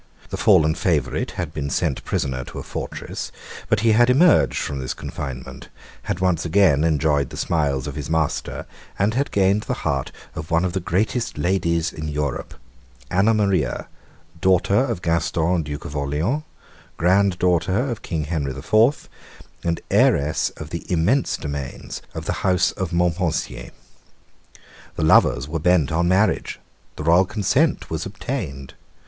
The fallen favourite had been sent prisoner to a fortress: but he had emerged from his confinement, had again enjoyed the smiles of his master, and had gained the heart of one of the greatest ladies in Europe, Anna Maria, daughter of Gaston, Duke of Orleans, granddaughter of King Henry the Fourth, and heiress of the immense domains of the house of Montpensier. The lovers were bent on marriage. The royal consent was obtained.